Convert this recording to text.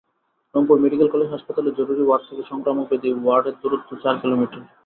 Rangpur medical college হাসপাতালের জরুরি ward থেকে সংক্রামক ব্যাধি ওয়ার্ডের দূরত্ব চার কিলোমিটার।